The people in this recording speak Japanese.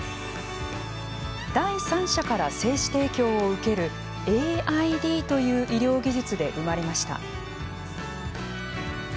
第三者から精子提供を受けるＡＩＤという医療技術で生まれました。